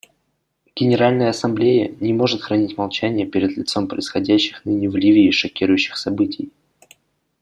Генеральная Ассамблея не может хранить молчание перед лицом происходящих ныне в Ливии шокирующих событий.